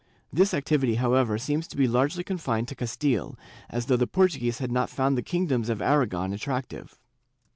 ^ This activity however seems to be largely con fined to Castile, as though the Portuguese had not found the king doms of Aragon attractive.